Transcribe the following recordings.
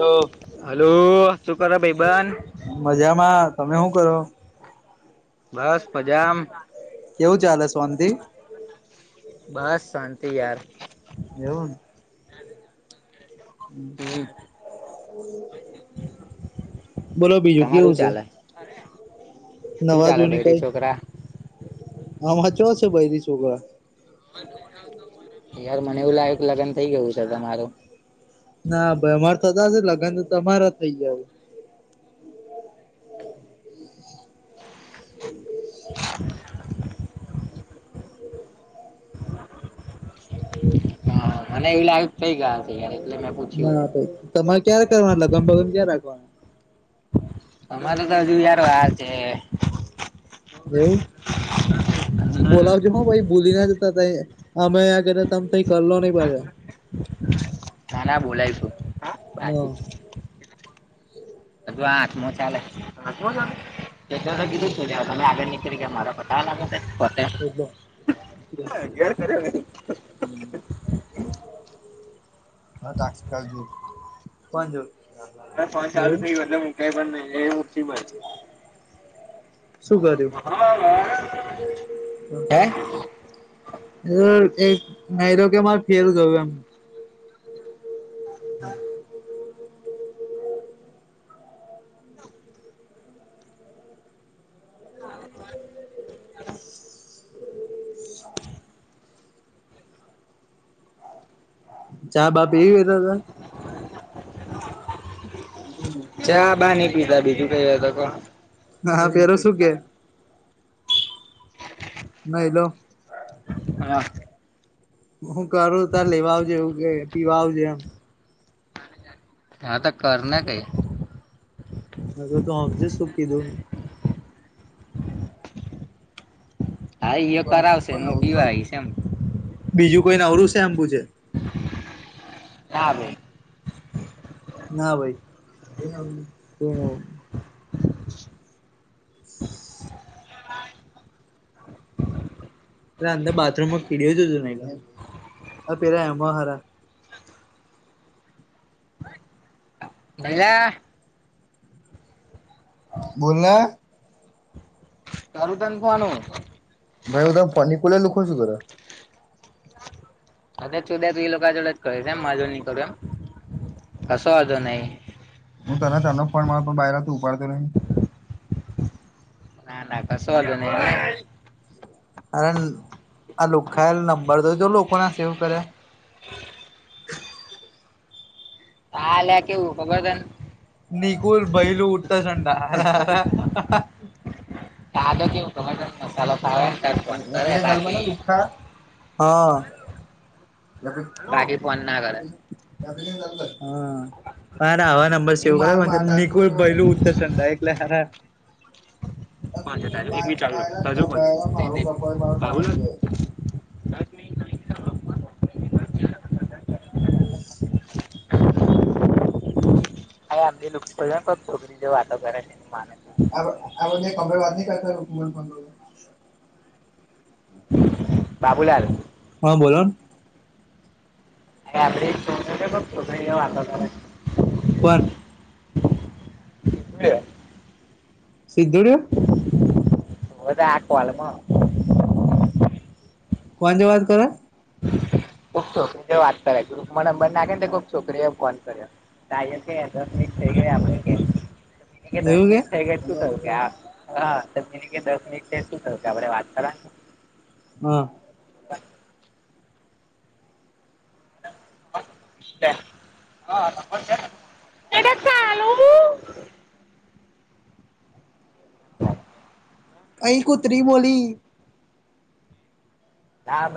તો હલો શું કરો ભાઈબંધ? મજામાં, તમે શું કરો? બસ મજામ. કેવું ચાલે, શાંતિ. બસ, શાંતિ યાર. એવું ને. હમ બોલો, બીજું તમારું કેવું છે? ચાલે શું નવા ચાલે? બૈરી છોકરા. અમારે ચો છે, બૈરી છોકરા. યાર મને એવું લાગે કે, લગ્ન થઇ ગયું છે તમારું. ના ભાઈ અમાર થતા જ હશે, લગ્ન તો તમારા થઈ ગયા છે. હમ. [unintelligible] હા, મને એવી લાગે કઈ ગયા. એટલે મેં પૂછ્યું ના ભાઈ તમારે ક્યારે કરવા, લગમભગ ન ક્યારે રાખવાનું. તમારે તો હજુ યાર વાર છે. એવું. બોલાવજો, હા, ભાઈ, ભૂલી ના જતા તહીં, અમે અહીં ને તમે તહીં કરલો નહી, ભ ના, ના, બોલાયશું. બાકી હમ. હજુ આઠમો ચાલે. એ તો મેં તો કીધું તું, હ, તમે આગળ નીકળી ગયા, મારો પતા લાગે છે પતે. વા હ [inaudible] ગે કરરી [inaudible] હમ. હા, ત ફ જ કોણ જો. મા ફોન ચાલુ થઈ ગયો, એટલે મ કઈ પણ નઈ એ મુતિમાં. શું કર્યું? હે એ એક નહી તો કે, મારે ફેર ગયો એમ. હા. [unintelligible] ચા બાપ એવી હતા. ચા બાની પીધા બીજું કઈ વા. હાા, પેરો શું કે? ન એલો. હા. હું કરું, તે લેવા આવજેવ, પીવા આવજે એમ. આ તો કરને કઈ. હ, તો તો સમજે શું કીધું ને. હા, યો કરાવશે ને, હું પીવા છે એમ. બીજું કોઈ નવરું છે, એમ પૂછેે? હા. ના ભાઈ. અંદર બાથરૂમમાં કીડયો જ હતું નહી, પેલા એમાં હરા. [unintelligible] બોલના. તાલું ત ખવાનું. ભાઈ હ, તમે ફોન કોલ લુખો છું, કર અ તુદા તું એ લોકોડ જ કહે છે, એમ આજો નહી કરું એમ, કસો આજો નહી. હું તને તનો ફ મારતો બહાર તો ઉપાડતો નહીને. ના, ના, કશું વાંધું નહી. અરે આ લુખાયેલ નંબર તો જો લોકોને સેવ કરે. હાલ્યા કેવું ખબર છે ને. નિકુલ બૈલું ઉઠતા સંડા ખદ કેવ ટમટર મસાાલો સવા બાકી હા હા બાકી ફોન ના કરે [unintelligible] અરે હવા નંબર સેવ કર નિકુલ પૈલું ઉત્તર [unintelligible] કોણ છે તારું એક મિનિટ ચાલુ રાખ તાજો કોણ છે દે દે બાબુલાલ [unintelligible] [inaudible] હા આમલી લુક છોકરી જે વાતો કરે છે એ માન કમરવાદ [unintelligible] બાબુલાલ હા બોલો [unintelligible] કોણ સિધુ રે એ તો આકોવાળમાં કોણથી વાત કરે ખુબ છોકરી જે વાત કરે ગ્રુપમાં નંબર નાખે ને ખુક છોકરીએ ફોન કરે ત છે દસ મિનિટ થઈ ગયા આપણે કે કે દસ મિનિટ થઈ ગ શું થયું કે દસ મિનિટ થ શું થયું કે આપડે વાત કરવા હા [inaudible] [unintelligible] [inaudible] અહી કુત્તરી બોલી નાા આપ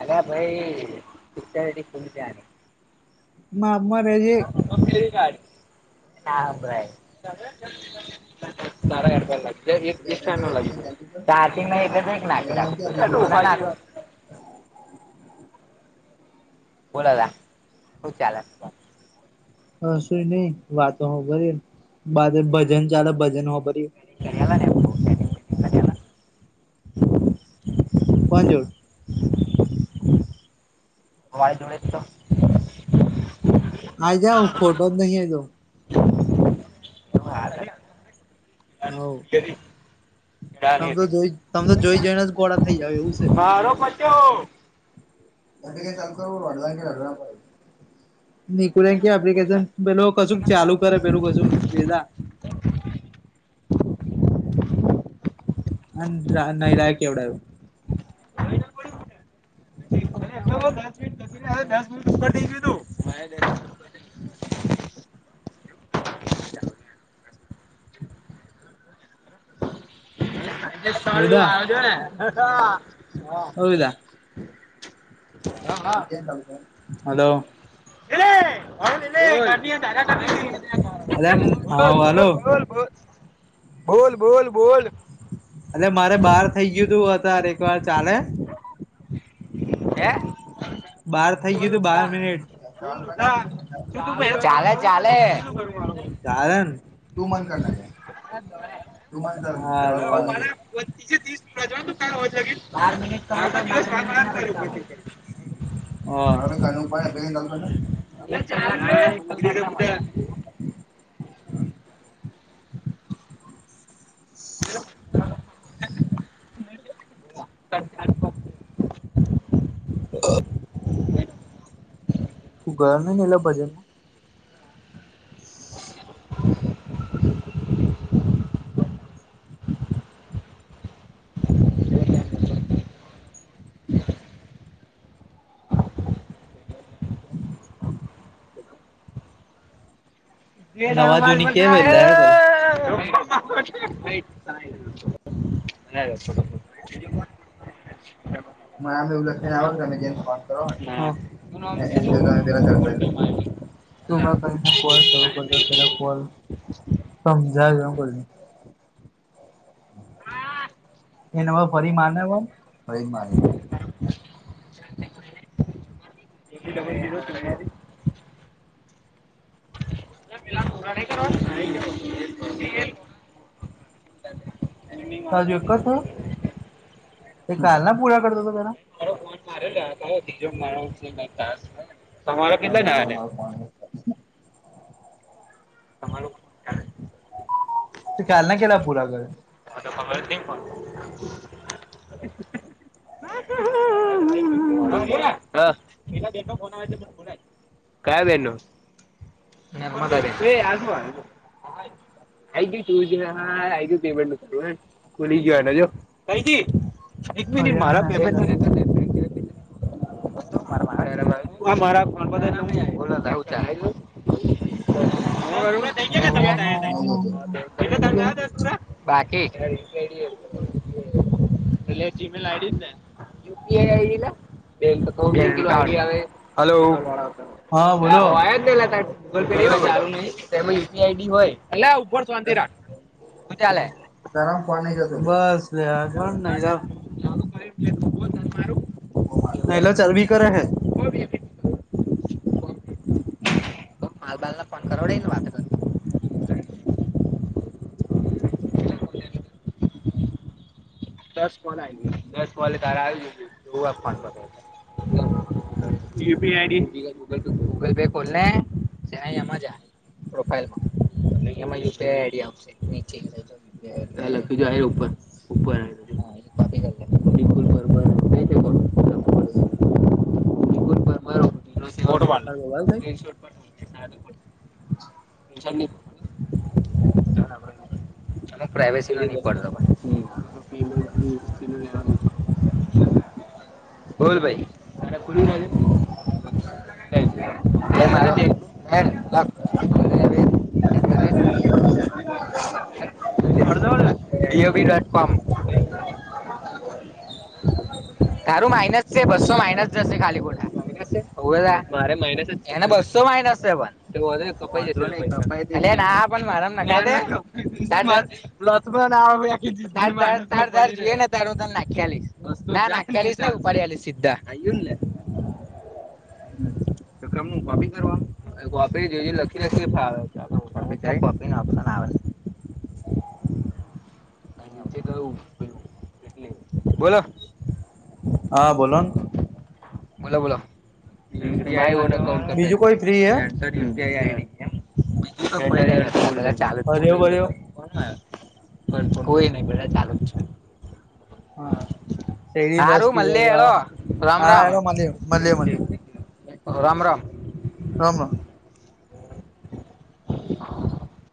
એડા અ ભાઈ ત પમ જ મા માપ મા રેજે [unintelligible] લઈાર એક નાખ નાખ બોલોલા હૂ ચાલે હ સુુંઈ નઈ વાતો હો ભરી બા ભજન ચાલે ભજન હો ભરી [unintelligible] કોણ જોડ તમારે જોડે તો આ જાાવ ખોટો જ નહી આ જા જોડે હ તમ તો જોઈ તમ તો જોઈ જઈને જ ઘોળા થઈ જાવ એવું છે આડો બચો એઠી ચાલ તો ભહળવા નીકુળ ક એપ્લિકેશન પેલ કશું ચાલુ કરે પેલું કશું ભેધા [inaudible] અને નહીરા કે એવડ આવ દ મિનટને દસ મિનટ ઉપર થઈ તુ [unintelligible] [inaudible] સ્થળું વેદા આવ છો ને [unintelligible] ઓ વેદા હા હા હલો એલે [unintelligible] બોલ બોલ અલ્યા બોલ હા હલો બોલ બોલ બોલ બોલ એટ મારે બહાર થઇ ગયું તું અત્યારે એક વાર ચાલે હે બાર થઈ બોલ ગયું તો બાર લુખા મિનિટ. બોલ લુખા શું તું પહેલા- ચાલે, ચાલે. શું કરવું મારું? કારણ. તું મન કર નાખ. મારા ઘરે. [unintelligible] [unintelligible] [unintelligible] [inaudible] [unintelligible] તું ઘર નઈ ગયેલો પછી. [inaudible] [inaudible] નવા જૂની કેવાય એટલે હેડ કઈ [unintelligible] મને આમે એવું લખીને આવો કે તમે ક ફોર્મ કરો નામ ને છે એમ જો શું? તમે પેલા ચર્ચા કરી. તું કને કોલ શરૂ કરતા પેલા કોલ સમજાવ એમ કરી. હા. એના વા ફરી માને ફરી મારે. [unintelligible] કેમ ભીલાડ ઉઘરાણી કરવા. સાજુ એક છ તે કાલ ના પૂરા કરતો તો તરા. મારો ફોન મારેલો તીજો મા ટાસ્ક તમારો કેટલા જણા છે. તમા લોકો તે કાલના ના કેલા પુરા કરે. મને તો ખબર જ નઈ પણ. તલા બે [unintelligible] કયા બહેનનુ. એ આ શું આયો. આઈ ગયું હા ગયું પેમેન્ટ ન કરું ખુલી ગયો જો કઈ બી. એક મિનિટ હરિયાનો મારા પેમે મેસેજ આવ્યો [unintelligible] [unintelligible] ઓ નો એટલે હું નો. બાકી એટલે જીમેલ આઇડી ને. યુપી આઈડી લા બે હલો હા અલા બોલો હોય જ ને અલા. ગૂગલ પે ચાલુ નઈ તેમા યુપી આડી હોય અલ્યા ઉપર શોન્તી રાખ શું ચાલે. ગરમ પાણી જ હતું બસ અલ્યા. એવું એમ નઈલા ચરબી કરે હૈ. [unintelligible] [inaudible] તો માલબાલને ફોન કરાવડે ને વાત કર. [inaudible] દસ કોલ આઈ ગ્યા. દસ કોલ તાર આવી ગયા. હું એ ફોન લાગવું. યુપીઆઈડી ગૂગલ પે ખોલલે એમાં જા. પ્રોફાઈલમાં ને એમાં ઉપીઆઈડી આવશે નીચે. લખી જો આ ઉપર ઉપર. [unintelligible] [unintelligible] ફોટુ પાડ સ્ક્રેઇનશોટ પાડ. [unintelligible] અમે પ્રાઈવેસી ના નની પડ બોલ ભાઈ [unintelligible] [inaudible] તારું માઇનસ છે બસો માઇનસ જશે ખાલી કોઠા માસ છે મારે માઇનસ એને બસ્સો માઇનસ છે પણ [unintelligible] લથમ ના ને તાર ત [unintelligible] નાખીલી [unintelligible] [unintelligible] [unintelligible] [inaudible] બોલો હા બોલોન બોલો બોલો ન કઉન્ટ પેન બીજું કોઈ ફ્રી હે હર્યો બર્યો [unintelligible] બ કોઈ નહી બધા ચાલુ જ છે. હા શેડી રસ હારું મલીએ પીવા હેડો રામ હા રામ એ મળ મળલ મળ રામ રામ રામ રામ [inaudible]